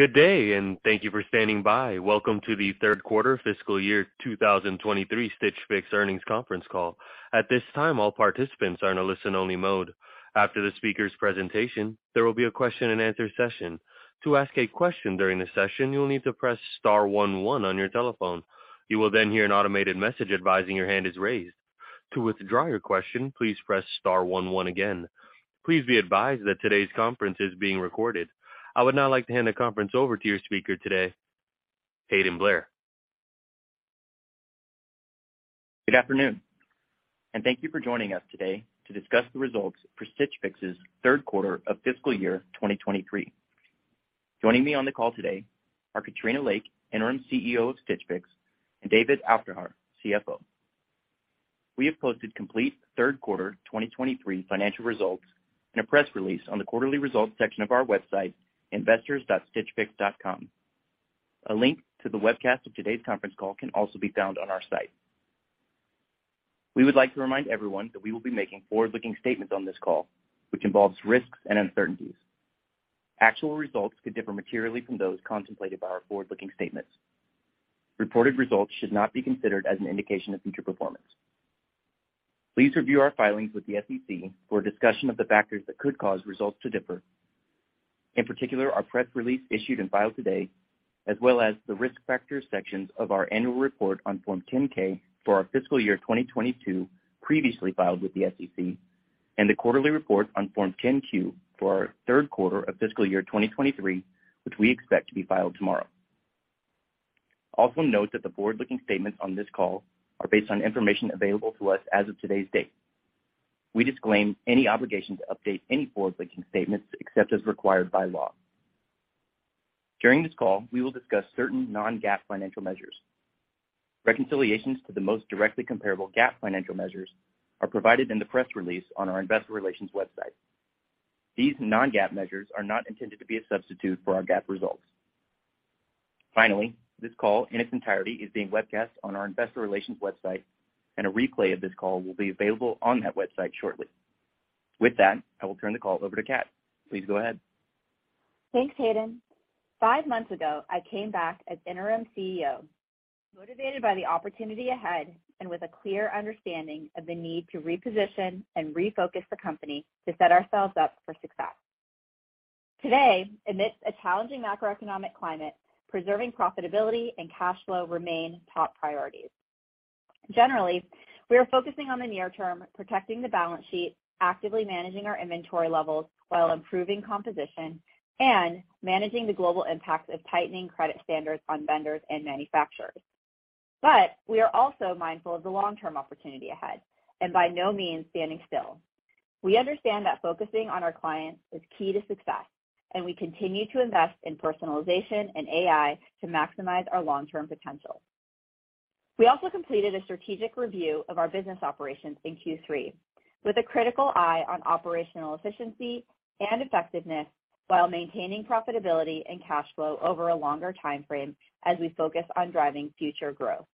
Good day, thank you for standing by. Welcome to the Third Quarter Fiscal Year 2023 Stitch Fix Earnings Conference Call. At this time, all participants are in a listen-only mode. After the speaker's presentation, there will be a question-and-answer session. To ask a question during the session, you will need to press star one one on your telephone. You will hear an automated message advising your hand is raised. To withdraw your question, please press star one one again. Please be advised that today's conference is being recorded. I would now like to hand the conference over to your speaker today, Hayden Blair. Good afternoon, and thank you for joining us today to discuss the results for Stitch Fix's third quarter of fiscal year 2023. Joining me on the call today are Katrina Lake, Interim CEO of Stitch Fix, and David Aufderhaar, CFO. We have posted complete third quarter 2023 financial results in a press release on the quarterly results section of our website, investors.stitchfix.com. A link to the webcast of today's conference call can also be found on our site. We would like to remind everyone that we will be making forward-looking statements on this call, which involves risks and uncertainties. Actual results could differ materially from those contemplated by our forward-looking statements. Reported results should not be considered as an indication of future performance. Please review our filings with the SEC for a discussion of the factors that could cause results to differ. In particular, our press release issued and filed today, as well as the risk factors sections of our annual report on Form 10-K for our fiscal year 2022, previously filed with the SEC, and the quarterly report on Form 10-Q for our third quarter of fiscal year 2023, which we expect to be filed tomorrow. Also note that the board looking statements on this call are based on information available to us as of today's date. We disclaim any obligation to update any forward-looking statements except as required by law. During this call, we will discuss certain non-GAAP financial measures. Reconciliations to the most directly comparable GAAP financial measures are provided in the press release on our investor relations website. These non-GAAP measures are not intended to be a substitute for our GAAP results. Finally, this call in its entirety is being webcast on our investor relations website, and a replay of this call will be available on that website shortly. With that, I will turn the call over to Kat. Please go ahead. Thanks, Hayden. Five months ago, I came back as interim CEO, motivated by the opportunity ahead and with a clear understanding of the need to reposition and refocus the company to set ourselves up for success. Today, amidst a challenging macroeconomic climate, preserving profitability and cash flow remain top priorities. Generally, we are focusing on the near term, protecting the balance sheet, actively managing our inventory levels while improving composition, and managing the global impact of tightening credit standards on vendors and manufacturers. We are also mindful of the long-term opportunity ahead and by no means standing still. We understand that focusing on our clients is key to success, and we continue to invest in personalization and AI to maximize our long-term potential. We also completed a strategic review of our business operations in Q3 with a critical eye on operational efficiency and effectiveness, while maintaining profitability and cash flow over a longer timeframe as we focus on driving future growth.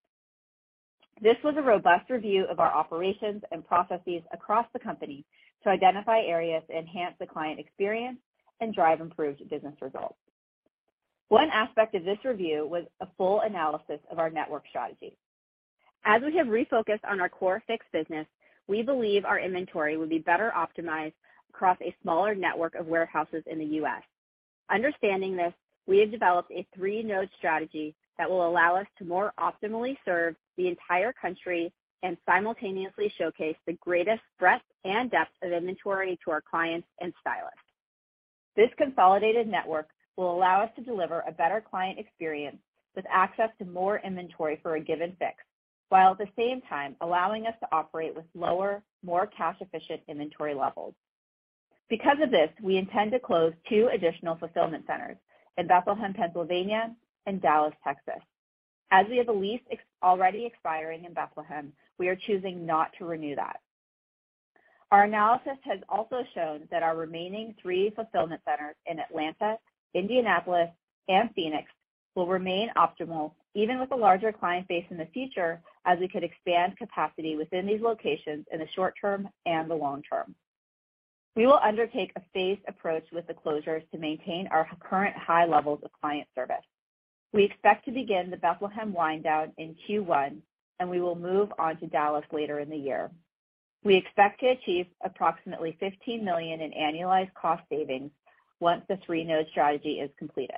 This was a robust review of our operations and processes across the company to identify areas to enhance the client experience and drive improved business results. One aspect of this review was a full analysis of our network strategy. As we have refocused on our core Fix business, we believe our inventory will be better optimized across a smaller network of warehouses in the U.S. Understanding this, we have developed a three-node strategy that will allow us to more optimally serve the entire country and simultaneously showcase the greatest breadth and depth of inventory to our clients and stylists. This consolidated network will allow us to deliver a better client experience with access to more inventory for a given fix, while at the same time allowing us to operate with lower, more cash-efficient inventory levels. Because of this, we intend to close two additional fulfillment centers in Bethlehem, Pennsylvania and Dallas, Texas. As we have a lease already expiring in Bethlehem, we are choosing not to renew that. Our analysis has also shown that our remaining three fulfillment centers in Atlanta, Indianapolis, and Phoenix will remain optimal even with a larger client base in the future, as we could expand capacity within these locations in the short term and the long term. We will undertake a phased approach with the closures to maintain our current high levels of client service. We expect to begin the Bethlehem wind down in Q1, and we will move on to Dallas later in the year. We expect to achieve approximately $15 million in annualized cost savings once the three-node strategy is completed.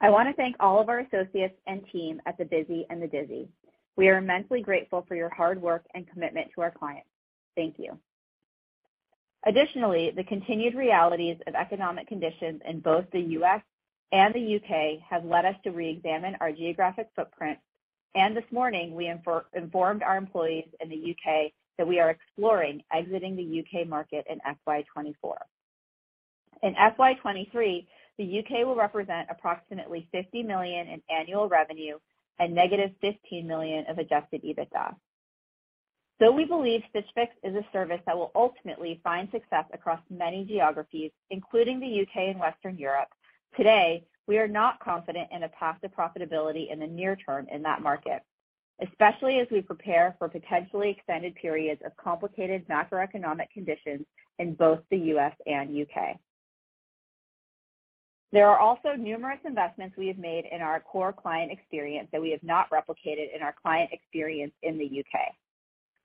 I want to thank all of our associates and team at the Busy and the Dizzy. We are immensely grateful for your hard work and commitment to our clients. Thank you. Additionally, the continued realities of economic conditions in both the U.S. and the U.K. have led us to reexamine our geographic footprint, and this morning we informed our employees in the U.K. That we are exploring exiting the U.K. market in FY 2024. In FY 2023, the U.K. will represent approximately 50 million in annual revenue and negative 15 million of Adjusted EBITDA. Though we believe Stitch Fix is a service that will ultimately find success across many geographies, including the U.K. and Western Europe, today, we are not confident in a path to profitability in the near term in that market. Especially as we prepare for potentially extended periods of complicated macroeconomic conditions in both the U.S. and U.K. There are also numerous investments we have made in our core client experience that we have not replicated in our client experience in the U.K.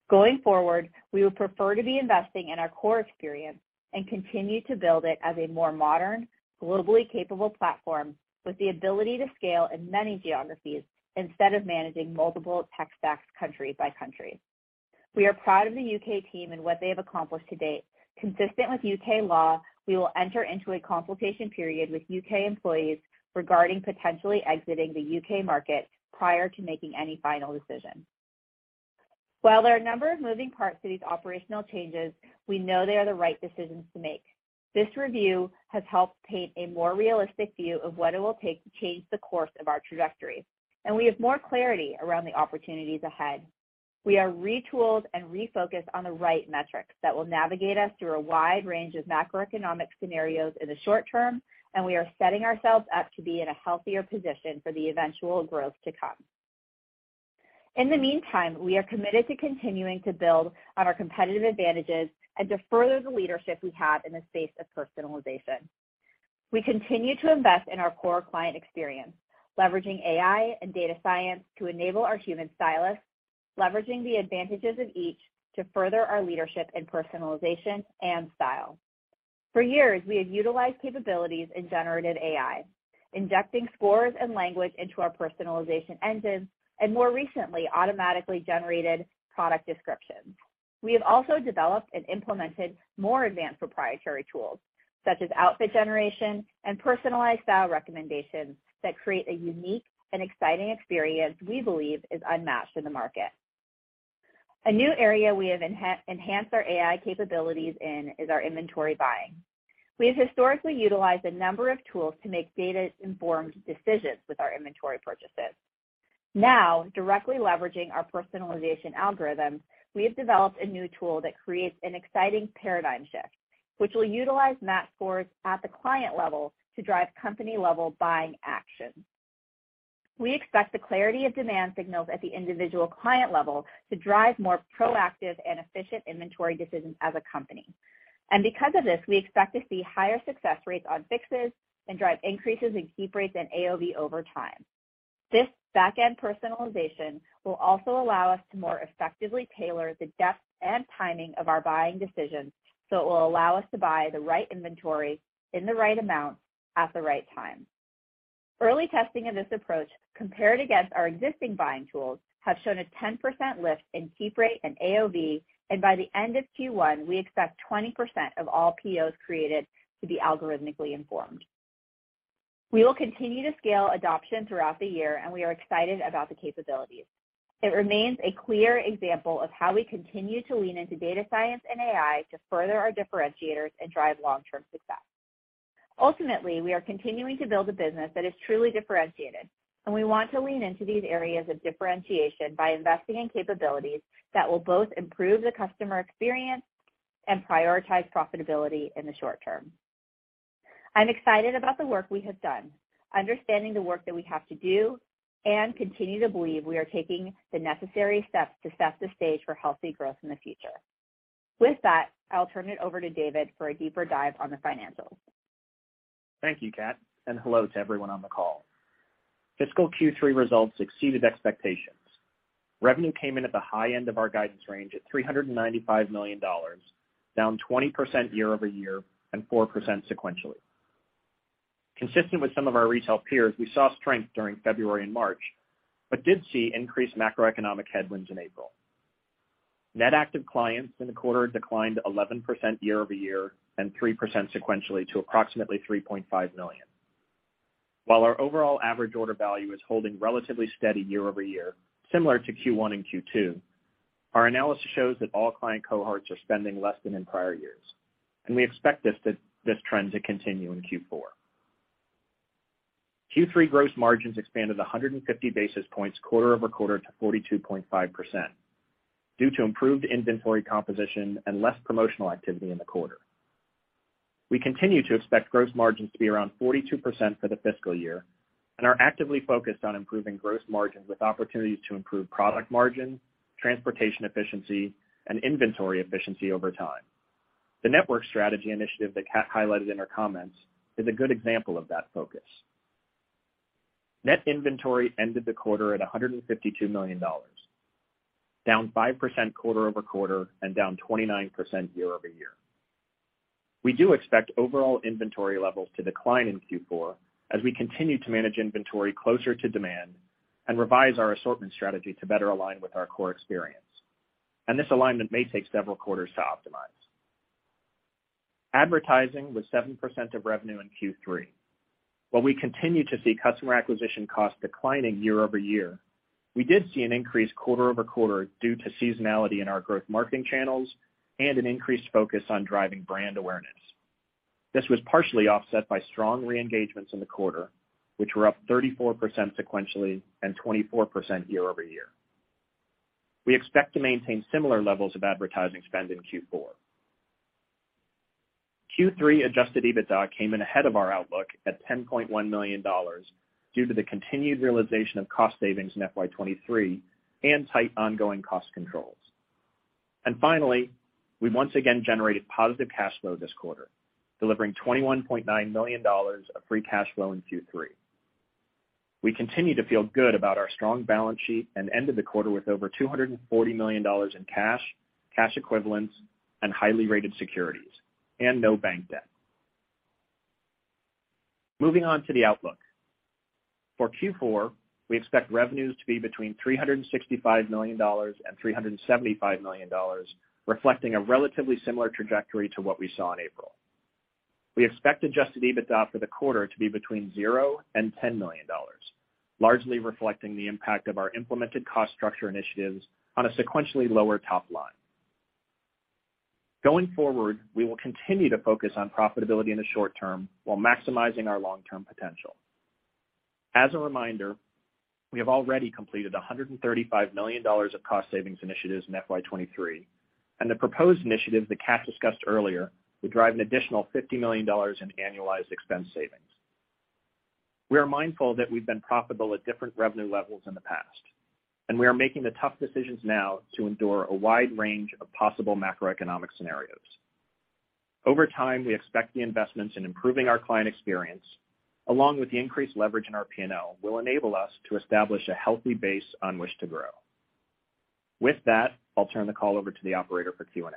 Going forward, we would prefer to be investing in our core experience and continue to build it as a more modern, globally capable platform with the ability to scale in many geographies instead of managing multiple tech stacks country by country. We are proud of the U.K. team and what they have accomplished to date. Consistent with U.K. law, we will enter into a consultation period with U.K. employees regarding potentially exiting the U.K. market prior to making any final decision. While there are a number of moving parts to these operational changes, we know they are the right decisions to make. This review has helped paint a more realistic view of what it will take to change the course of our trajectory, and we have more clarity around the opportunities ahead. We are retooled and refocused on the right metrics that will navigate us through a wide range of macroeconomic scenarios in the short term, and we are setting ourselves up to be in a healthier position for the eventual growth to come. In the meantime, we are committed to continuing to build on our competitive advantages and to further the leadership we have in the space of personalization. We continue to invest in our core client experience, leveraging AI and data science to enable our human stylists, leveraging the advantages of each to further our leadership in personalization and style. For years, we have utilized capabilities in generative AI, injecting scores and language into our personalization engines, and more recently, automatically generated product descriptions. We have also developed and implemented more advanced proprietary tools, such as outfit generation and personalized style recommendations that create a unique and exciting experience we believe is unmatched in the market. A new area we have enhanced our AI capabilities in is our inventory buying. We have historically utilized a number of tools to make data-informed decisions with our inventory purchases. Now, directly leveraging our personalization algorithms, we have developed a new tool that creates an exciting paradigm shift, which will utilize match scores at the client level to drive company-level buying action. We expect the clarity of demand signals at the individual client level to drive more proactive and efficient inventory decisions as a company. Because of this, we expect to see higher success rates on fixes and drive increases in keep rates and AOV over time. This back-end personalization will also allow us to more effectively tailor the depth and timing of our buying decisions, so it will allow us to buy the right inventory in the right amount at the right time. Early testing of this approach, compared against our existing buying tools, have shown a 10% lift in keep rate and AOV. By the end of Q1, we expect 20% of all POs created to be algorithmically informed. We will continue to scale adoption throughout the year. We are excited about the capabilities. It remains a clear example of how we continue to lean into data science and AI to further our differentiators and drive long-term success. Ultimately, we are continuing to build a business that is truly differentiated. We want to lean into these areas of differentiation by investing in capabilities that will both improve the customer experience and prioritize profitability in the short term. I'm excited about the work we have done, understanding the work that we have to do, and continue to believe we are taking the necessary steps to set the stage for healthy growth in the future. With that, I'll turn it over to David for a deeper dive on the financials. Thank you, Kat, and hello to everyone on the call. Fiscal Q3 results exceeded expectations. Revenue came in at the high end of our guidance range at $395 million, down 20% year-over-year and 4% sequentially. Consistent with some of our retail peers, we saw strength during February and March, but did see increased macroeconomic headwinds in April. Net active clients in the quarter declined 11% year-over-year and 3% sequentially to approximately 3.5 million. While our overall average order value is holding relatively steady year-over-year, similar to Q1 and Q2, our analysis shows that all client cohorts are spending less than in prior years, and we expect this trend to continue in Q4. Q3 gross margins expanded 150 basis points quarter-over-quarter to 42.5% due to improved inventory composition and less promotional activity in the quarter. We continue to expect gross margins to be around 42% for the fiscal year and are actively focused on improving gross margins with opportunities to improve product margin, transportation efficiency, and inventory efficiency over time. The network strategy initiative that Kat highlighted in her comments is a good example of that focus. Net inventory ended the quarter at $152 million, down 5% quarter-over-quarter and down 29% year-over-year. We do expect overall inventory levels to decline in Q4 as we continue to manage inventory closer to demand and revise our assortment strategy to better align with our core experience, and this alignment may take several quarters to optimize. Advertising was 7% of revenue in Q3. While we continue to see customer acquisition costs declining year-over-year, we did see an increase quarter-over-quarter due to seasonality in our growth marketing channels and an increased focus on driving brand awareness. This was partially offset by strong reengagements in the quarter, which were up 34% sequentially and 24% year-over-year. We expect to maintain similar levels of advertising spend in Q4. Q3 Adjusted EBITDA came in ahead of our outlook at $10.1 million, due to the continued realization of cost savings in FY 2023 and tight ongoing cost controls. Finally, we once again generated positive cash flow this quarter, delivering $21.9 million of free cash flow in Q3. We continue to feel good about our strong balance sheet and ended the quarter with over $240 million in cash equivalents, and highly rated securities, and no bank debt. Moving on to the outlook. For Q4, we expect revenues to be between $365 million and $375 million, reflecting a relatively similar trajectory to what we saw in April. We expect Adjusted EBITDA for the quarter to be between $0 and $10 million, largely reflecting the impact of our implemented cost structure initiatives on a sequentially lower top line. Going forward, we will continue to focus on profitability in the short term while maximizing our long-term potential. As a reminder, we have already completed $135 million of cost savings initiatives in FY 2023. The proposed initiatives that Kat discussed earlier would drive an additional $50 million in annualized expense savings. We are mindful that we've been profitable at different revenue levels in the past, and we are making the tough decisions now to endure a wide range of possible macroeconomic scenarios. Over time, we expect the investments in improving our client experience, along with the increased leverage in our P&L, will enable us to establish a healthy base on which to grow. With that, I'll turn the call over to the operator for Q&A.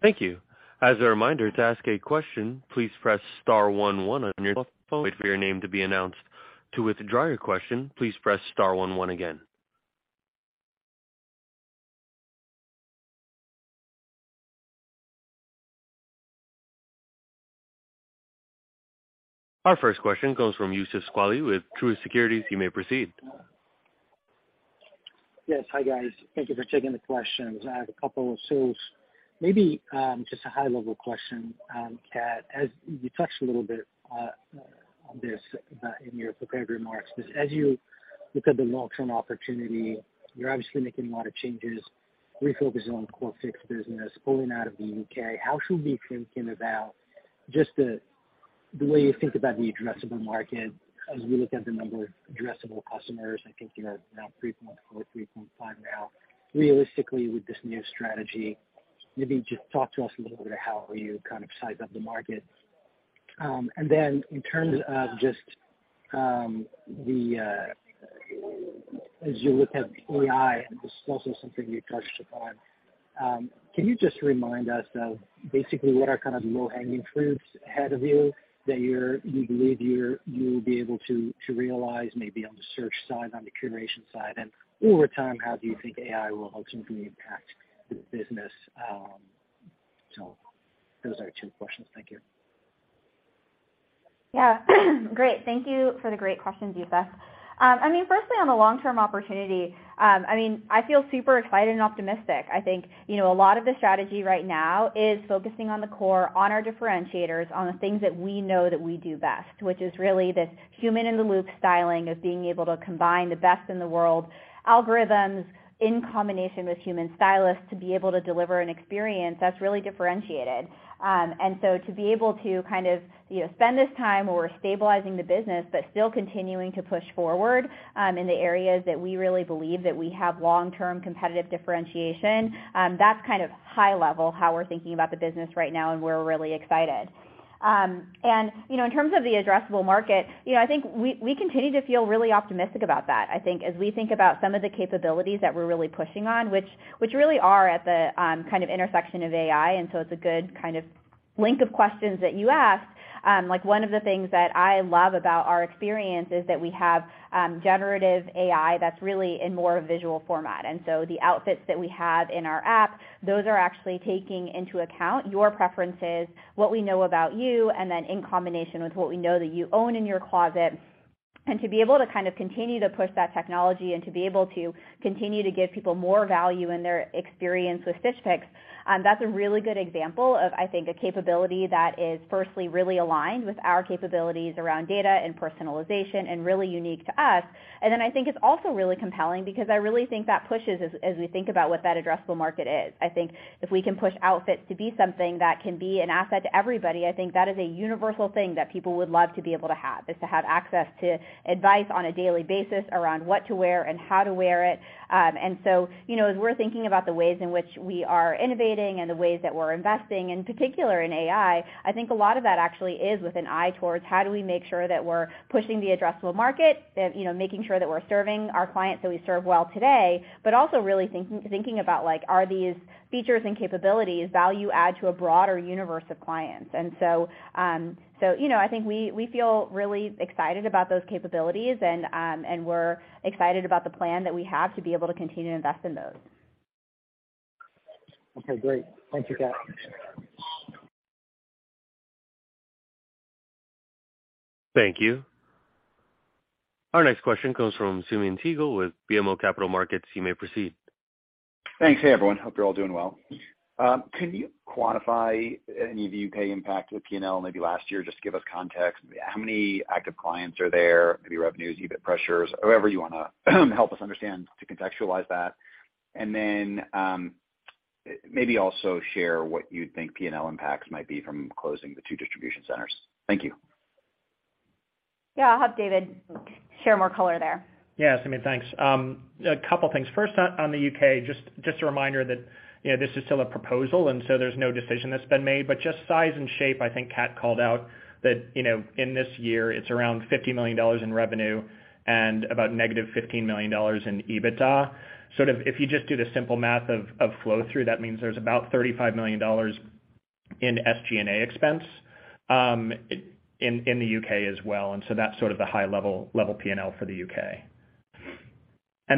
Thank you. As a reminder, to ask a question, please press star one one on your phone. Wait for your name to be announced. To withdraw your question, please press star one one again. Our first question comes from Yusuf Squali with Truist Securities. You may proceed. Yes, hi, guys. Thank you for taking the questions. I have a couple. Maybe, just a high-level question, Kat, as you touched a little bit on this in your prepared remarks. As you look at the long-term opportunity, you're obviously making a lot of changes, refocusing on core Fix business, pulling out of the U.K. How should we be thinking about just the way you think about the addressable market as we look at the number of addressable customers? I think you're now 3.4, 3.5 now. Realistically, with this new strategy, maybe just talk to us a little how are you kind of size up the market. In terms of just, as you look at AI, this is also something you touched upon. Can you just remind us of basically what are kind of the low-hanging fruits ahead of you that you believe you'll be able to realize maybe on the search side, on the curation side? Over time, how do you think AI will ultimately impact the business? So those are two questions. Thank you. Yeah. Great. Thank you for the great questions, Yusuf. I mean, firstly, on the long-term opportunity, I mean, I feel super excited and optimistic. I think, you know, a lot of the strategy right now is focusing on the core, on our differentiators, on the things that we know that we do best, which is really this human-in-the-loop styling of being able to combine the best in the world algorithms in combination with human stylists to be able to deliver an experience that's really differentiated. To be able to kind of, you know, spend this time where we're stabilizing the business, but still continuing to push forward, in the areas that we really believe that we have long-term competitive differentiation, that's kind of high level, how we're thinking about the business right now, and we're really excited. You know, in terms of the addressable market, you know, I think we continue to feel really optimistic about that. I think as we think about some of the capabilities that we're really pushing on, which really are at the kind of intersection of AI, it's a good kind of link of questions that you asked. Like, one of the things that I love about our experience is that we have generative AI that's really in more visual format. The Outfits that we have in our app, those are actually taking into account your preferences, what we know about you, and then in combination with what we know that you own in your closet. To be able to kind of continue to push that technology and to be able to kind of continue to give people more value in their experience with Stitch Fix, that's a really good example of, I think, a capability that is firstly really aligned with our capabilities around data and personalization and really unique to us. Then I think it's also really compelling because I really think that pushes as we think about what that addressable market is. I think if we can push Outfits to be something that can be an asset to everybody, I think that is a universal thing that people would love to be able to have, is to have access to advice on a daily basis around what to wear and how to wear it. You know, as we're thinking about the ways in which we are innovating and the ways that we're investing, in particular in AI, I think a lot of that actually is with an eye towards how do we make sure that we're pushing the addressable market, that, you know, making sure that we're serving our clients that we serve well today, but also really thinking about, like, are these features and capabilities value add to a broader universe of clients? So, you know, I think we feel really excited about those capabilities, and we're excited about the plan that we have to be able to continue to invest in those. Okay, great. Thank you, Kat. Thank you. Our next question comes from Simeon Siegel with BMO Capital Markets. You may proceed. Thanks. Hey, everyone. Hope you're all doing well. Can you quantify any of the U.K. impact to the P&L maybe last year, just to give us context? How many active clients are there, maybe revenues, EBIT pressures, however you wanna help us understand to contextualize that. Then, maybe also share what you think P&L impacts might be from closing the two distribution centers. Thank you. Yeah, I'll have David share more color there. Yeah, Simeon, thanks. A couple of things. First, on the U.K., just a reminder that, you know, this is still a proposal, and so there's no decision that's been made. Just size and shape, I think Kat called out that, you know, in this year, it's around $50 million in revenue and about $-15 million in EBITDA. Sort of if you just do the simple math of flow through, that means there's about $35 million in SG&A expense in the U.K. as well, and so that's sort of the high level P&L for the U.K..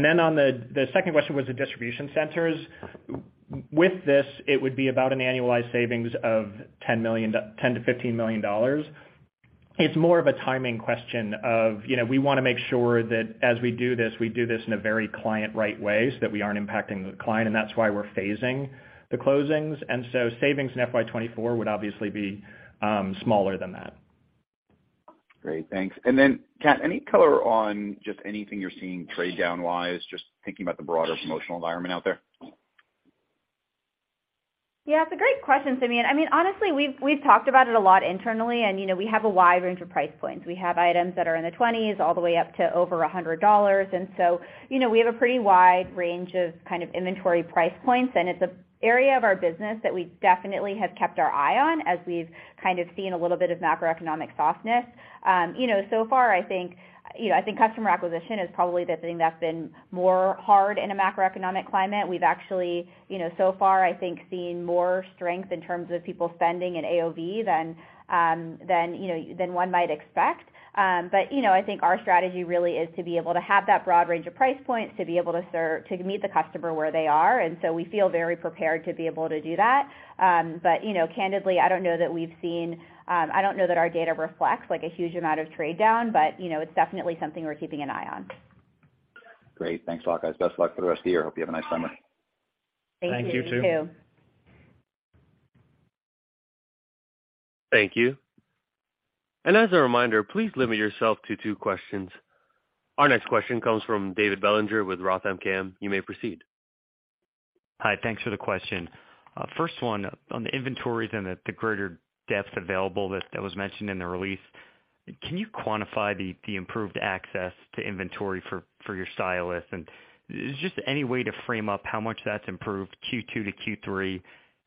On the second question was the distribution centers. With this, it would be about an annualized savings of $10 million-$15 million. It's more of a timing question of, you know, we want to make sure that as we do this, we do this in a very client right way so that we aren't impacting the client, and that's why we're phasing the closings. Savings in FY 2024 would obviously be smaller than that. Great, thanks. Kat, any color on just anything you're seeing trade-down wise, just thinking about the broader promotional environment out there? Yeah, it's a great question, Simeon. I mean, honestly, we've talked about it a lot internally, and, you know, we have a wide range of price points. We have items that are in the $20s all the way up to over $100. You know, we have a pretty wide range of kind of inventory price points, and it's an area of our business that we definitely have kept our eye on as we've kind of seen a little bit of macroeconomic softness. You know, so far, I think, you know, I think customer acquisition is probably the thing that's been more hard in a macroeconomic climate. We've actually, you know, so far, I think, seen more strength in terms of people spending in AOV than, you know, than one might expect. You know, I think our strategy really is to be able to have that broad range of price points, to be able to meet the customer where they are. We feel very prepared to be able to do that. You know, candidly, I don't know that we've seen, I don't know that our data reflects like a huge amount of trade down, but, you know, it's definitely something we're keeping an eye on. Great. Thanks a lot, guys. Best of luck for the rest of the year. Hope you have a nice summer. Thank you. Thank you, too. Thank you. As a reminder, please limit yourself to two questions. Our next question comes from David Bellinger with Roth MKM. You may proceed. Hi, thanks for the question. First one, on the inventories and the greater depth available that was mentioned in the release, can you quantify the improved access to inventory for your stylists? Is just any way to frame up how much that's improved Q2 to Q3,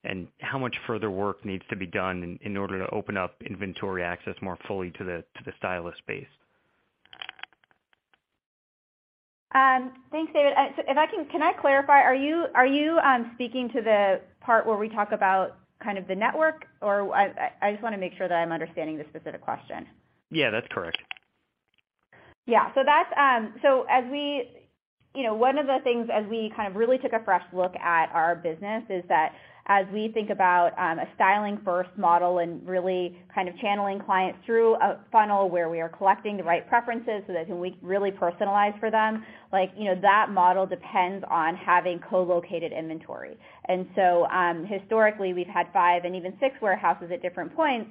and how much further work needs to be done in order to open up inventory access more fully to the stylist space? Thanks, David. If I can... Can I clarify, are you speaking to the part where we talk about kind of the network? Or I just want to make sure that I'm understanding the specific question? Yeah, that's correct. That's, you know, one of the things as we kind of really took a fresh look at our business is that as we think about a styling-first model and really kind of channeling clients through a funnel where we are collecting the right preferences so that we can really personalize for them, like, you know, that model depends on having co-located inventory. Historically, we've had five and even six warehouses at different points.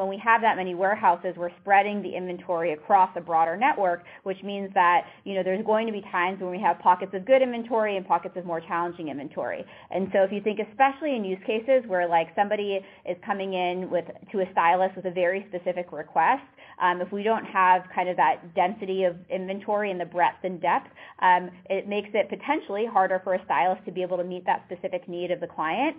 When we have that many warehouses, we're spreading the inventory across a broader network, which means that, you know, there's going to be times when we have pockets of good inventory and pockets of more challenging inventory. If you think, especially in use cases where like, somebody is coming in with, to a stylist with a very specific request, if we don't have kind of that density of inventory and the breadth and depth, it makes it potentially harder for a stylist to be able to meet that specific need of the client.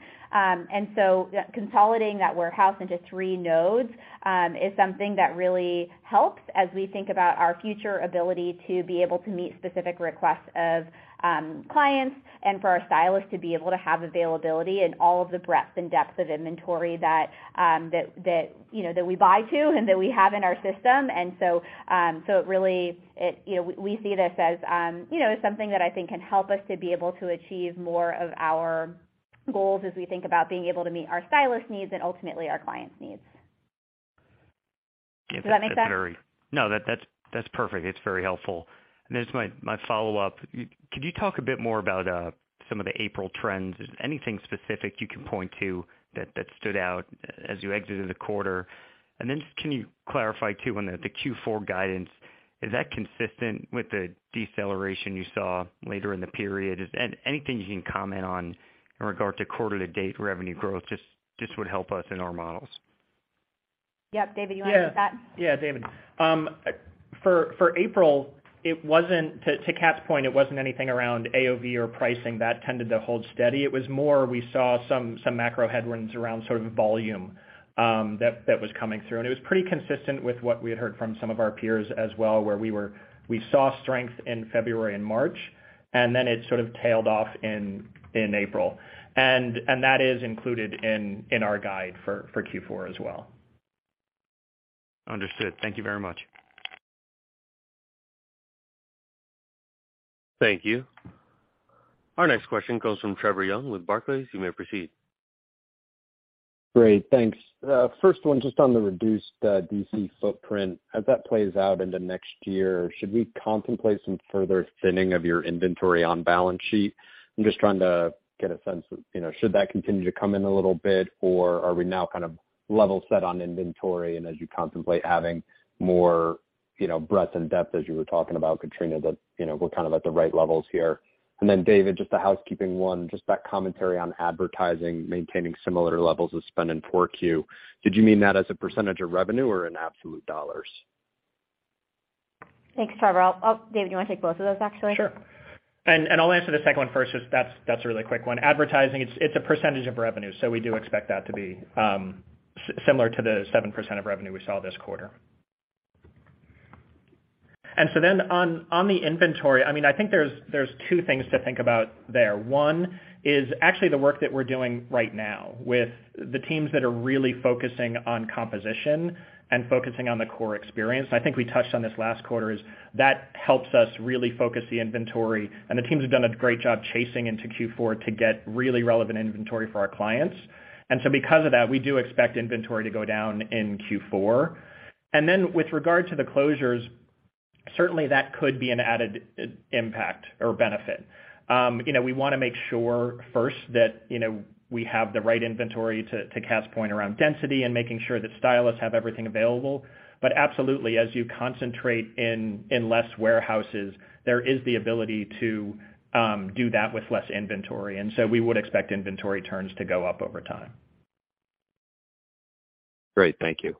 Consolidating that warehouse into three nodes, is something that really helps as we think about our future ability to be able to meet specific requests of, clients and for our stylists to be able to have availability and all of the breadth and depth of inventory that, you know, that we buy to and that we have in our system. It really, you know, we see this as, you know, something that I think can help us to be able to achieve more of our goals as we think about being able to meet our stylist needs and ultimately our clients' needs. Does that make sense? No, that's perfect. It's very helpful. This is my follow-up. Could you talk a bit more about some of the April trends? Anything specific you can point to that stood out as you exited the quarter? Then can you clarify, too, on the Q4 guidance, is that consistent with the deceleration you saw later in the period? Is anything you can comment on in regard to quarter-to-date revenue growth, just would help us in our models? Yep. David, you want to take that? Yeah, David. For April, to Kat's point, it wasn't anything around AOV or pricing. That tended to hold steady. It was more we saw some macro headwinds around sort of volume that was coming through. It was pretty consistent with what we had heard from some of our peers as well, where we saw strength in February and March, and then it sort of tailed off in April. That is included in our guide for Q4 as well. Understood. Thank you very much. Thank you. Our next question comes from Trevor Young with Barclays. You may proceed. Great, thanks. First one, just on the reduced, D.C. footprint. As that plays out into next year, should we contemplate some further thinning of your inventory on balance sheet? I'm just trying to get a sense of, you know, should that continue to come in a little bit, or are we now kind of level set on inventory and as you contemplate having more-... You know, breadth and depth as you were talking about, Katrina, that, you know, we're kind of at the right levels here. Then, David, just a housekeeping one, just that commentary on advertising, maintaining similar levels of spend in 4Q. Did you mean that as a % of revenue or in absolute dollars? Thanks, Trevor. Oh, David, you wanna take both of those, actually? Sure. I'll answer the second one first, 'cause that's a really quick one. Advertising, it's a percentage of revenue, we do expect that to be similar to the 7% of revenue we saw this quarter. On the inventory, I mean, I think there's two things to think about there. One, is actually the work that we're doing right now with the teams that are really focusing on composition and focusing on the core experience. I think we touched on this last quarter, is that helps us really focus the inventory, the teams have done a great job chasing into Q4 to get really relevant inventory for our clients. Because of that, we do expect inventory to go down in Q4. With regard to the closures, certainly that could be an added impact or benefit. You know, we want to make sure first that, you know, we have the right inventory to cast point around density and making sure that stylists have everything available. Absolutely, as you concentrate in less warehouses, there is the ability to do that with less inventory, and so we would expect inventory turns to go up over time. Great, thank you.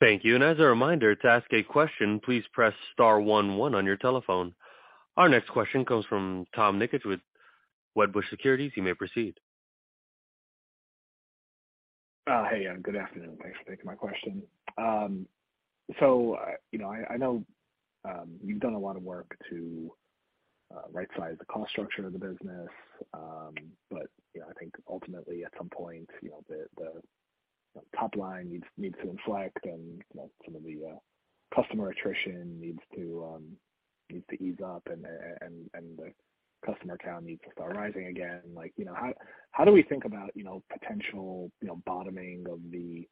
Thank you. As a reminder, to ask a question, please press star one one on your telephone. Our next question comes from Tom Nikic with Wedbush Securities. You may proceed. Hey, yeah, good afternoon. Thanks for taking my question. You know, I know you've done a lot of work to rightsize the cost structure of the business. You know, I think ultimately, at some point, you know, the top line needs to inflect and, you know, some of the customer attrition needs to ease up and the customer count needs to start rising again. Like, you know, how do we think about, you know, potential, you know, bottoming of the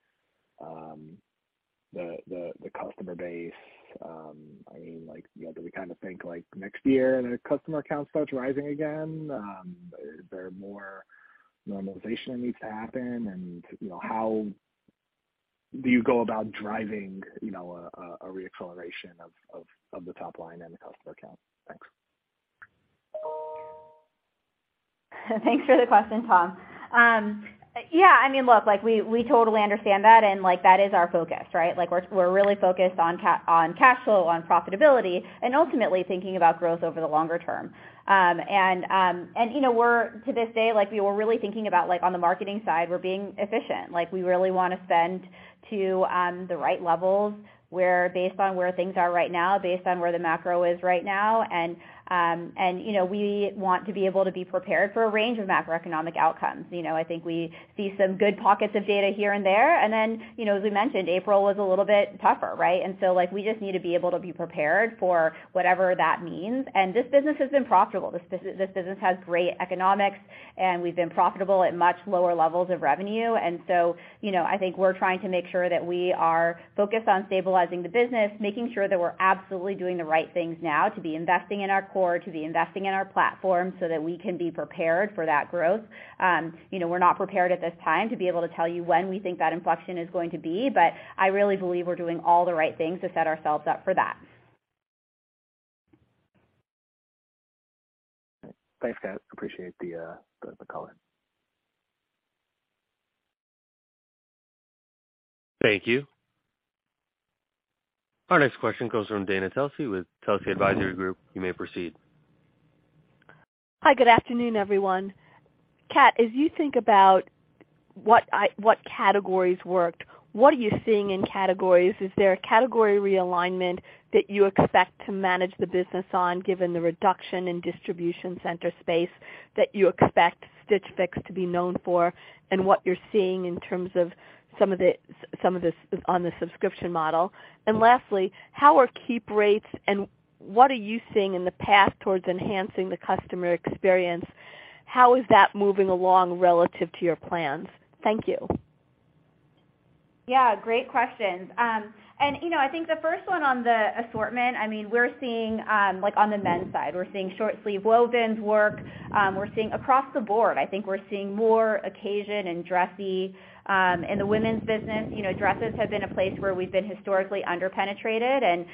customer base? I mean, like, you know, do we kind of think, like, next year, the customer count starts rising again? Is there more normalization that needs to happen? You know, how do you go about driving, you know, a re-acceleration of the top line and the customer count? Thanks. Thanks for the question, Tom Nikic. Yeah, I mean, look, like we totally understand that, and, like, that is our focus, right? Like, we're really focused on cash flow, on profitability, and ultimately thinking about growth over the longer term. You know, we're to this day, like, we were really thinking about, like, on the marketing side, we're being efficient. Like, we really wanna spend to the right levels, where based on where things are right now, based on where the macro is right now, you know, we want to be able to be prepared for a range of macroeconomic outcomes. You know, I think we see some good pockets of data here and there. You know, as we mentioned, April was a little bit tougher, right? Like, we just need to be able to be prepared for whatever that means. This business has been profitable. This business has great economics, and we've been profitable at much lower levels of revenue. You know, I think we're trying to make sure that we are focused on stabilizing the business, making sure that we're absolutely doing the right things now to be investing in our core, to be investing in our platform, so that we can be prepared for that growth. You know, we're not prepared at this time to be able to tell you when we think that inflection is going to be, but I really believe we're doing all the right things to set ourselves up for that. Thanks, guys. Appreciate the call in. Thank you. Our next question comes from Dana Telsey with Telsey Advisory Group. You may proceed. Hi, good afternoon, everyone. Kat, as you think about what what categories worked, what are you seeing in categories? Is there a category realignment that you expect to manage the business on, given the reduction in distribution center space that you expect Stitch Fix to be known for, and what you're seeing in terms of some of the on the subscription model? Lastly, how are keep rates and what are you seeing in the path towards enhancing the customer experience? How is that moving along relative to your plans? Thank you. Yeah, great questions. You know, I think the first one on the assortment, I mean, we're seeing, like, on the men's side, we're seeing short-sleeved wovens work. We're seeing across the board, I think we're seeing more occasion and dressy. In the women's business, you know, dresses have been a place where we've been historically under-penetrated, and,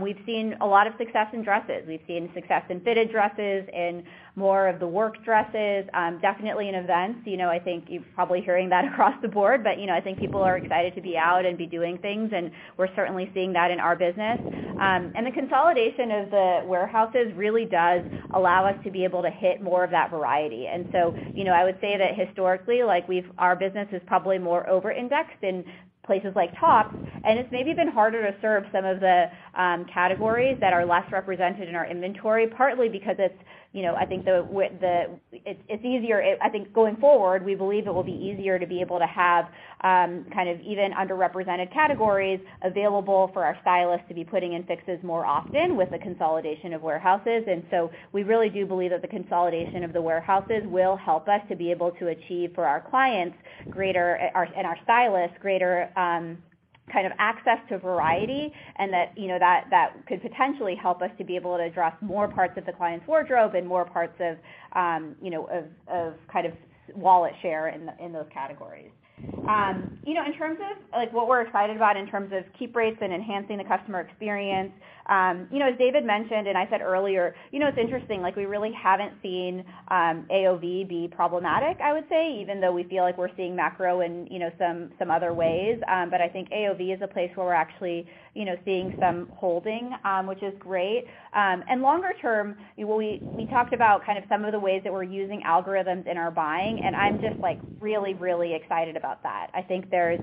we've seen a lot of success in dresses. We've seen success in fitted dresses, in more of the work dresses, definitely in events. You know, I think you're probably hearing that across the board, but, you know, I think people are excited to be out and be doing things, and we're certainly seeing that in our business. The consolidation of the warehouses really does allow us to be able to hit more of that variety. You know, I would say that historically, like, our business is probably more over-indexed in places like tops, and it's maybe been harder to serve some of the categories that are less represented in our inventory, partly because it's, you know, I think, it's easier. I think going forward, we believe it will be easier to be able to have, kind of even underrepresented categories available for our stylists to be putting in fixes more often with the consolidation of warehouses. We really do believe that the consolidation of the warehouses will help us to be able to achieve for our clients, greater, and our stylists, greater. kind of access to variety, and that, you know, that could potentially help us to be able to address more parts of the client's wardrobe and more parts of, you know, of kind of wallet share in the, in those categories. You know, in terms of like what we're excited about in terms of keep rates and enhancing the customer experience, you know, as David mentioned, and I said earlier, you know, it's interesting, like, we really haven't seen AOV be problematic, I would say, even though we feel like we're seeing macro in, you know, some other ways. I think AOV is a place where we're actually, you know, seeing some holding, which is great. Longer term, you know, we talked about kind of some of the ways that we're using algorithms in our buying, and I'm just, like, really excited about that. I think there's,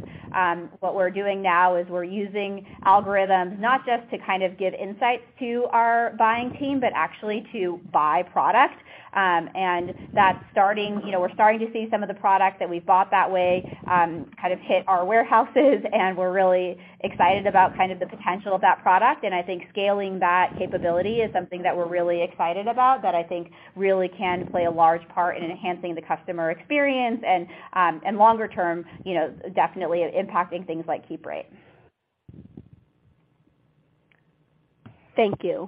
what we're doing now is we're using algorithms, not just to kind of give insights to our buying team, but actually to buy product. That's, you know, we're starting to see some of the products that we've bought that way, kind of hit our warehouses, and we're really excited about kind of the potential of that product. I think scaling that capability is something that we're really excited about, that I think really can play a large part in enhancing the customer experience, and longer term, you know, definitely impacting things like keep rate. Thank you.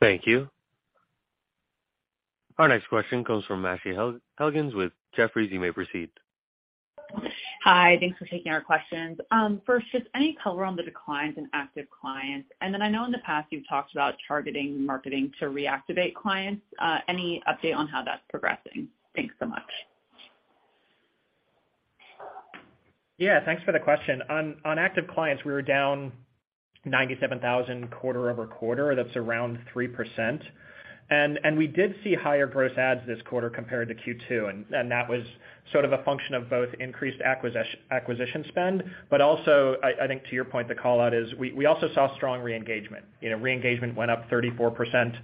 Thank you. Our next question comes from Ashley Helgans with Jefferies. You may proceed. Hi, thanks for taking our questions. First, just any color on the declines in active clients, and then I know in the past you've talked about targeting marketing to reactivate clients. Any update on how that's progressing? Thanks so much. Yeah, thanks for the question. On active clients, we were down 97,000 quarter-over-quarter. That's around 3%. We did see higher gross adds this quarter compared to Q2, and that was sort of a function of both increased acquisition spend, but also, I think to your point, the call out is we also saw strong reengagement. You know, reengagement went up 34%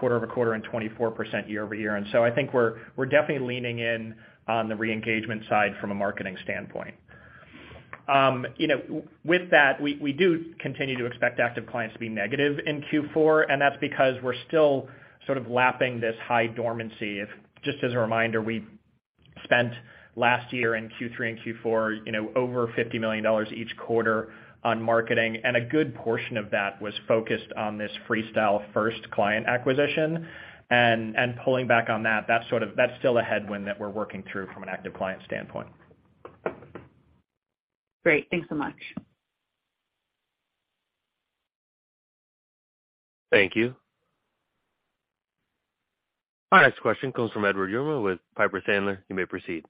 quarter-over-quarter and 24% year-over-year. So I think we're definitely leaning in on the reengagement side from a marketing standpoint. You know, with that, we do continue to expect active clients to be negative in Q4, and that's because we're still sort of lapping this high dormancy. Just as a reminder, we spent last year in Q3 and Q4, you know, over $50 million each quarter on marketing, and a good portion of that was focused on this Freestyle first client acquisition. Pulling back on that's still a headwind that we're working through from an active client standpoint. Great. Thanks so much. Thank you. Our next question comes from Edward Yruma with Piper Sandler. You may proceed.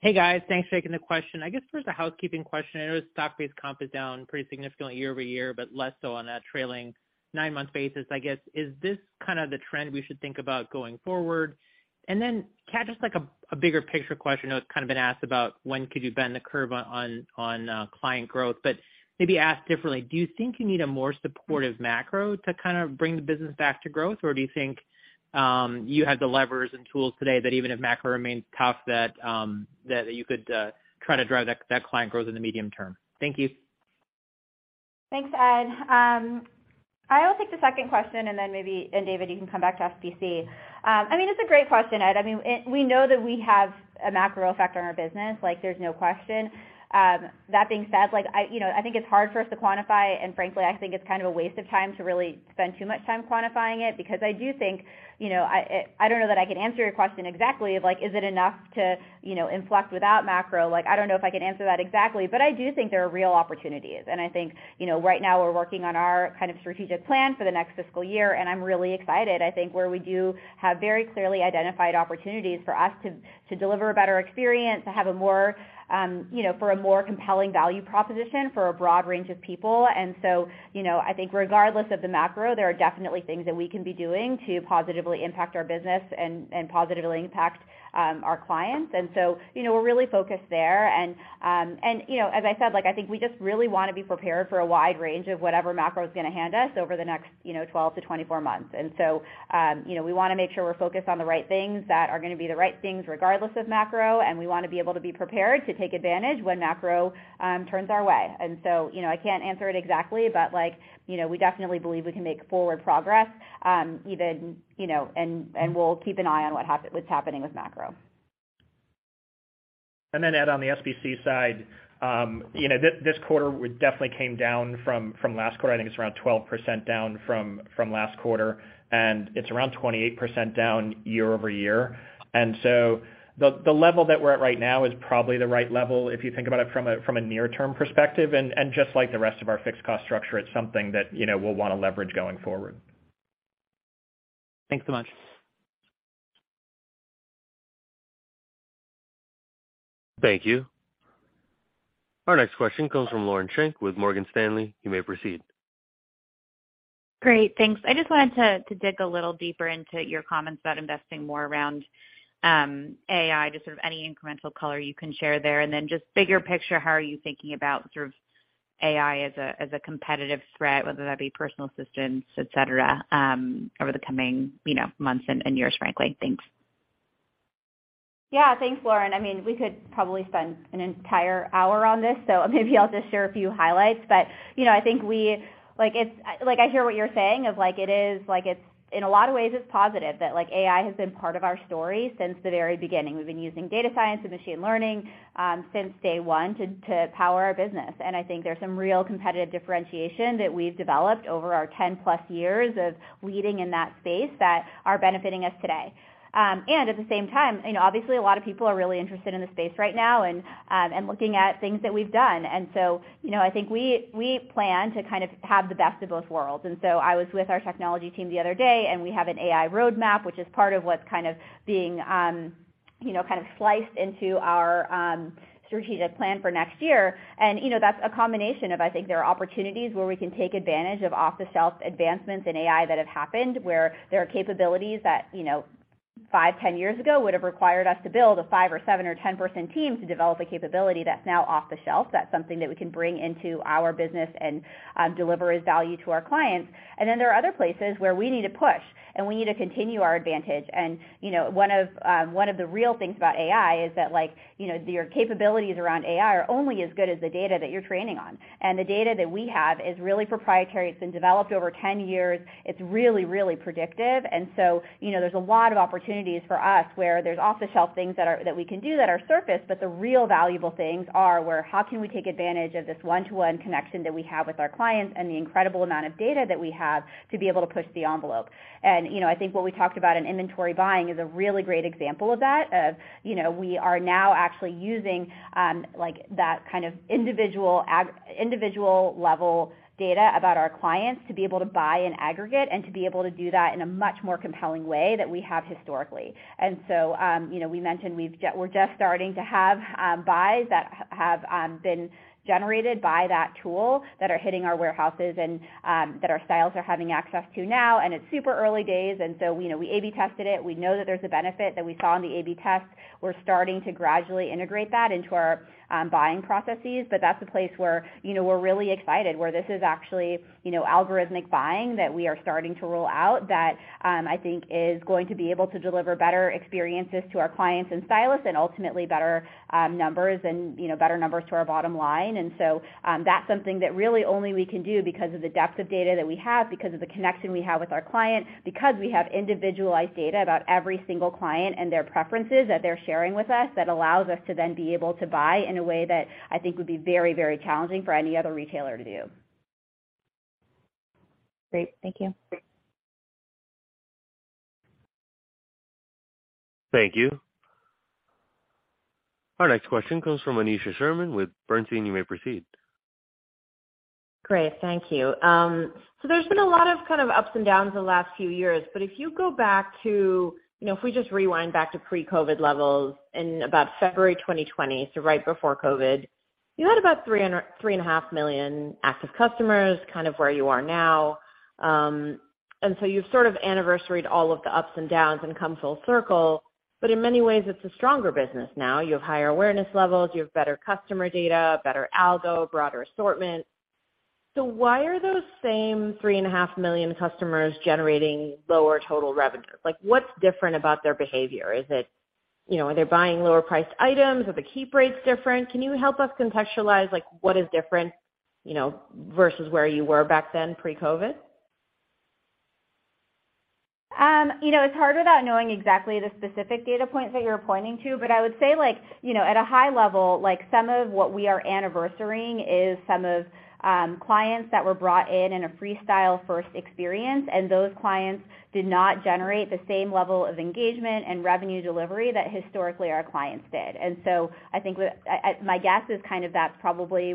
Hey, guys. Thanks for taking the question. I guess there's a housekeeping question. I know stock-based comp is down pretty significantly year-over-year, but less so on that trailing nine-month basis. I guess, is this kind of the trend we should think about going forward? Kat, just like a bigger picture question. I know it's kind of been asked about when could you bend the curve on client growth, but maybe asked differently: Do you think you need a more supportive macro to kind of bring the business back to growth, or do you think you have the levers and tools today that even if macro remains tough, that you could try to drive that client growth in the medium term? Thank you. Thanks, Ed. I will take the second question, and then maybe, and David, you can come back to SBC. I mean, it's a great question, Ed. I mean, we know that we have a macro effect on our business, like, there's no question. That being said, like, I, you know, I think it's hard for us to quantify, and frankly, I think it's kind of a waste of time to really spend too much time quantifying it. I do think, you know, I don't know that I can answer your question exactly, of like, is it enough to, you know, inflect without macro. Like, I don't know if I can answer that exactly, but I do think there are real opportunities. I think, you know, right now we're working on our kind of strategic plan for the next fiscal year, and I'm really excited. I think where we do have very clearly identified opportunities for us to deliver a better experience, to have a more, you know, for a more compelling value proposition for a broad range of people. You know, I think regardless of the macro, there are definitely things that we can be doing to positively impact our business and positively impact our clients. You know, we're really focused there. You know, as I said, like, I think we just really wanna be prepared for a wide range of whatever macro is gonna hand us over the next, you know, 12-24 months. You know, we wanna make sure we're focused on the right things that are gonna be the right things regardless of macro, and we wanna be able to be prepared to take advantage when macro turns our way. You know, I can't answer it exactly, but like, you know, we definitely believe we can make forward progress, even, you know, and we'll keep an eye on what's happening with macro. Then, Ed, on the SBC side, you know, this quarter we definitely came down from last quarter. I think it's around 12% down from last quarter, and it's around 28% down year-over-year. So the level that we're at right now is probably the right level, if you think about it from a near-term perspective. Just like the rest of our fixed cost structure, it's something that, you know, we'll wanna leverage going forward. Thanks so much. Thank you. Our next question comes from Lauren Schenk with Morgan Stanley. You may proceed. Great. Thanks. I just wanted to dig a little deeper into your comments about investing more around AI, just sort of any incremental color you can share there? Just bigger picture, how are you thinking about sort of AI as a, as a competitive threat, whether that be personal assistants, et cetera, over the coming, you know, months and years, frankly? Thanks. Yeah, thanks, Lauren. I mean, we could probably spend an entire hour on this, so maybe I'll just share a few highlights. You know, I think we like, it's like, I hear what you're saying of like, it is like, it's in a lot of ways, it's positive that like, AI has been part of our story since the very beginning. We've been using data science and machine learning since day one to power our business. I think there's some real competitive differentiation that we've developed over our 10+ years of leading in that space that are benefiting us today. At the same time, you know, obviously, a lot of people are really interested in the space right now and looking at things that we've done. You know, I think we plan to kind of have the best of both worlds. I was with our technology team the other day, and we have an AI roadmap, which is part of what's kind of being, you know, kind of sliced into our strategic plan for next year. You know, that's a combination of I think there are opportunities where we can take advantage of off-the-shelf advancements in AI that have happened, where there are capabilities that, you know, five, 10 years ago, would have required us to build a five or seven or 10-person team to develop a capability that's now off the shelf. That's something that we can bring into our business and deliver as value to our clients. Then there are other places where we need to push, and we need to continue our advantage. You know, one of, one of the real things about AI is that, like, you know, your capabilities around AI are only as good as the data that you're training on. The data that we have is really proprietary. It's been developed over 10 years. It's really, really predictive. You know, there's a lot of opportunities for us where there's off-the-shelf things that we can do that are surface, but the real valuable things are where how can we take advantage of this one-to-one connection that we have with our clients and the incredible amount of data that we have to be able to push the envelope? You know, I think what we talked about in inventory buying is a really great example of that, of, you know, we are now actually using, like, that kind of individual level data about our clients to be able to buy in aggregate and to be able to do that in a much more compelling way than we have historically. You know, we mentioned we're just starting to have buys that have been generated by that tool that are hitting our warehouses and that our styles are having access to now, and it's super early days, and so, you know, we A/B tested it. We know that there's a benefit that we saw in the A/B test. We're starting to gradually integrate that into our buying processes, but that's a place where, you know, we're really excited, where this is actually, you know, algorithmic buying that we are starting to roll out, that I think is going to be able to deliver better experiences to our clients and stylists and ultimately better numbers and, you know, better numbers to our bottom line. That's something that really only we can do because of the depth of data that we have, because of the connection we have with our clients, because we have individualized data about every single client and their preferences that they're sharing with us, that allows us to then be able to buy in a way that I think would be very, very challenging for any other retailer to do. Great. Thank you. Thank you. Our next question comes from Aneesha Sherman with Bernstein. You may proceed. Great, thank you. There's been a lot of kind of ups and downs in the last few years, but if you go back to, you know, if we just rewind back to pre-COVID levels in about February 2020, right before COVID, you had about 3.5 million active customers, kind of where you are now. You've sort of anniversaried all of the ups and downs and come full circle, but in many ways, it's a stronger business now. You have higher awareness levels, you have better customer data, better algo, broader assortment. Why are those same 3.5 million customers generating lower total revenue? Like, what's different about their behavior? Is it, you know, are they buying lower-priced items? Are the keep rates different? Can you help us contextualize, like, what is different, you know, versus where you were back then pre-COVID? You know, it's hard without knowing exactly the specific data points that you're pointing to, but I would say like, you know, at a high level, like some of what we are anniversarying is some of clients that were brought in in a Freestyle first experience, and those clients did not generate the same level of engagement and revenue delivery that historically our clients did. I think my guess is kind of that's probably,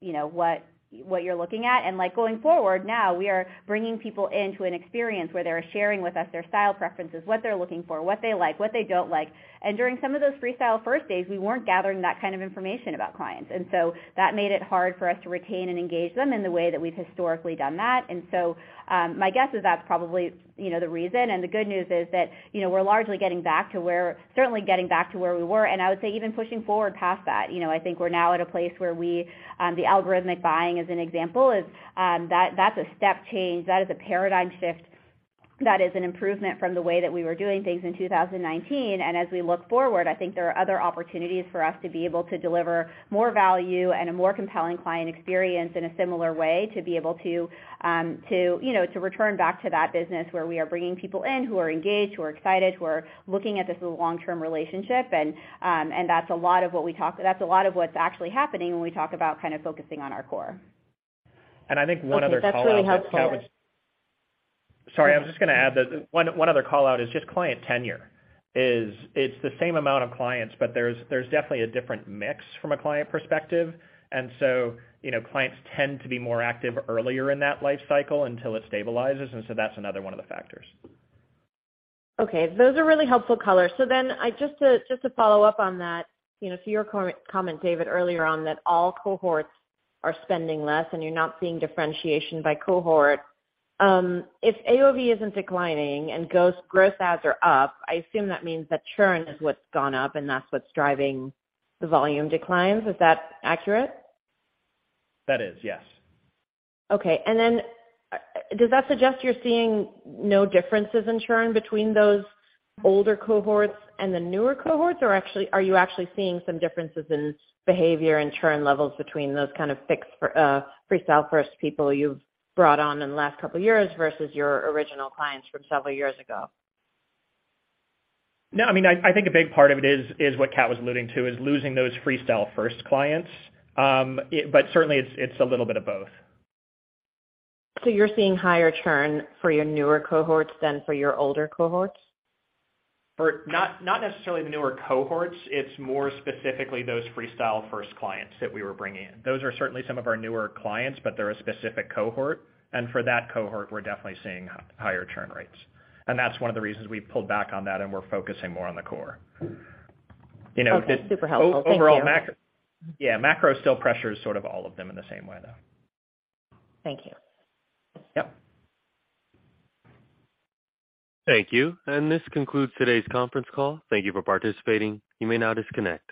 you know, what you're looking at. Like, going forward, now we are bringing people into an experience where they're sharing with us their style preferences, what they're looking for, what they like, what they don't like. During some of those Freestyle first days, we weren't gathering that kind of information about clients, and so that made it hard for us to retain and engage them in the way that we've historically done that. My guess is that's probably, you know, the reason. The good news is that, you know, we're largely getting back to certainly getting back to where we were, and I would say even pushing forward past that. You know, I think we're now at a place where we, the algorithmic buying, as an example, is, that's a step change. That is a paradigm shift. That is an improvement from the way that we were doing things in 2019. As we look forward, I think there are other opportunities for us to be able to deliver more value and a more compelling client experience in a similar way, to be able to, you know, to return back to that business where we are bringing people in who are engaged, who are excited, who are looking at this as a long-term relationship. That's a lot of what's actually happening when we talk about kind of focusing on our core. I think one other call out. Okay, that's really helpful. Sorry, I was just gonna add that one other call out is just client tenure. Is. It's the same amount of clients, but there's definitely a different mix from a client perspective. You know, clients tend to be more active earlier in that life cycle until it stabilizes, and so that's another one of the factors. Those are really helpful colors. Just to follow up on that, you know, to your comment, David, earlier on, that all cohorts are spending less, and you're not seeing differentiation by cohort. If AOV isn't declining and gross adds are up, I assume that means that churn is what's gone up, and that's what's driving the volume declines. Is that accurate? That is, yes. Does that suggest you're seeing no differences in churn between those older cohorts and the newer cohorts? Are you actually seeing some differences in behavior and churn levels between those kind of fixed, Freestyle first people you've brought on in the last couple of years versus your original clients from several years ago? No, I mean, I think a big part of it is what Kat was alluding to, is losing those Freestyle first clients. Certainly, it's a little bit of both. You're seeing higher churn for your newer cohorts than for your older cohorts? For not necessarily the newer cohorts. It's more specifically those Freestyle first clients that we were bringing in. Those are certainly some of our newer clients, but they're a specific cohort, and for that cohort, we're definitely seeing higher churn rates. That's one of the reasons we've pulled back on that and we're focusing more on the core. You know. Okay, super helpful. Thank you. Overall, macro still pressures sort of all of them in the same way, though. Thank you. Yep. Thank you. This concludes today's conference call. Thank you for participating. You may now disconnect.